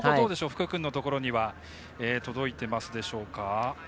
福くんのところには届いていますでしょうか？